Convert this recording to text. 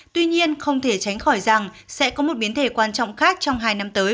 tuy nhiên không thể tránh khỏi rằng sẽ có một biến thể quan trọng khác trong hai năm tới